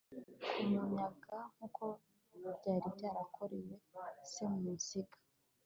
ku munyaga nk'uko byari byarakorewe se, musinga